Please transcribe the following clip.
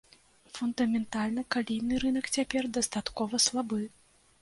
Фундаментальна калійны рынак цяпер дастаткова слабы.